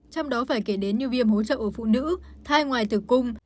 trong đó phải kể đến như viêm hỗ trợ ở phụ nữ thai ngoài tử cung